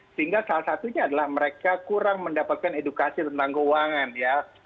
sehingga salah satunya adalah mereka kurang mendapatkan edukasi tentang keuangan ya